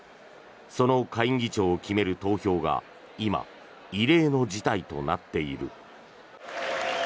その下院議長を決める投票が今、異例の事態となっている。